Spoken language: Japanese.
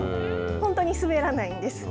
本当に滑らないんです。